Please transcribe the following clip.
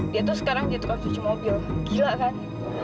dia tuh sekarang jadi tukang cuci mobil gila kan